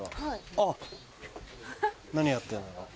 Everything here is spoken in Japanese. あっ何やってんだろ？